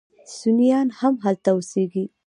سنیان هم هلته اوسیږي.